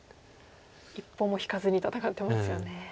一歩も引かずに戦ってますよね。